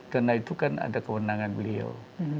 karena itu kan ada kewenangan beliau